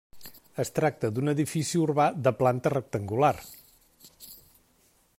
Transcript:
Es tracta d'un edifici urbà de planta rectangular.